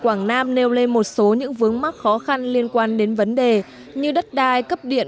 quảng nam nêu lên một số những vướng mắc khó khăn liên quan đến vấn đề như đất đai cấp điện